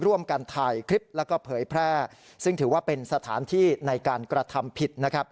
ร่วมกันถ่ายคลิปแล้วก็เผยแพร่ซึ่งถือว่าเป็นสถานที่ในการกระทำผิดนะครับ